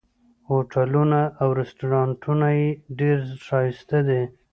هوټلونه او رسټورانټونه یې ډېر ښایسته دي.